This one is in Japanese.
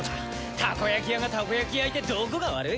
たこやき屋がたこやき焼いてどこが悪い？